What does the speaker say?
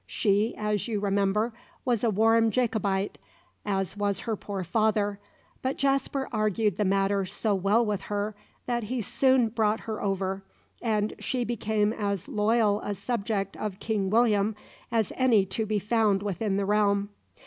She, as you remember, was a warm Jacobite, as was her poor father, but Jasper argued the matter so well with her, that he soon brought her over, and she became as loyal a subject of King William as any to be found within the realm.